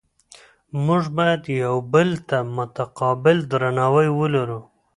موږ باید یو بل ته متقابل درناوی ولرو